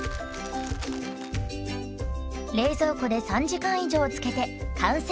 冷蔵庫で３時間以上漬けて完成です。